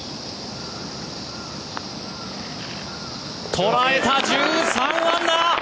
捉えた、１３アンダー！